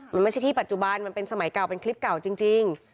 มันไม่ใช่ที่ปัจจุบันมันเป็นสมัยเก่าเป็นคลิปเก่าจริง